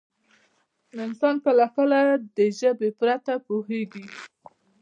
انسان کله کله د ژبې پرته پوهېږي.